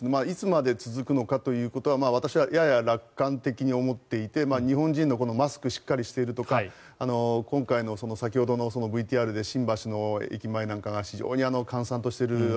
いつまで続くのかということは私はやや楽観的に思っていて日本人のマスクをしっかりしているとか今回の先ほどのＶＴＲで新橋の駅前なんかが非常に閑散としている